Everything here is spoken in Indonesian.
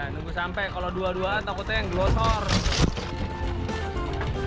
nunggu sampai kalau dua dua takutnya yang gelosor